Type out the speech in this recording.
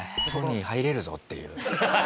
ソニー入れるぞっていう。